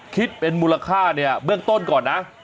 คิดเป็นมูลค่าเนี่ยเบื้องต้นก่อนนะ